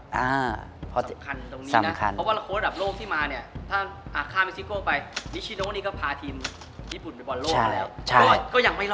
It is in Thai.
อ่าพอสำคัญตรงนี้นะเพราะว่าโค้ดับโลกที่มาเนี่ยถ้าข้ามนิซิโก้ไปนิชิโนนี่ก็พาทีมญี่ปุ่นไปบอลโลกมาแล้วก็ยังไม่รอด